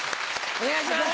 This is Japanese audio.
お願いします！